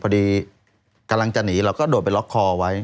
พอดีกำลังจะหนีเราก็โดดไปล็อกคอไว้